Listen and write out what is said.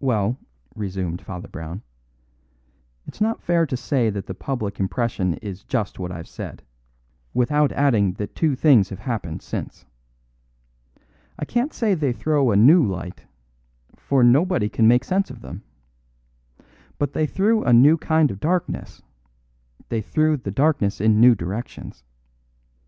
"Well," resumed Father Brown, "it's not fair to say that the public impression is just what I've said, without adding that two things have happened since. I can't say they threw a new light; for nobody can make sense of them. But they threw a new kind of darkness; they threw the darkness in new directions.